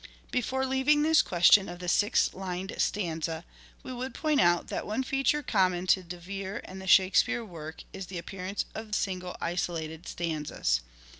Before leaving this question of the six lined stanza we would point out that one feature common to the De Vere and the Shakespeare work is the appearance of single isolated stanzas.